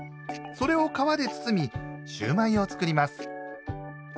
それを皮で包みシューマイを作ります。